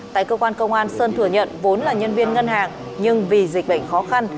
tại cơ quan công an sơn thừa nhận vốn là nhân viên ngân hàng nhưng vì dịch bệnh khó khăn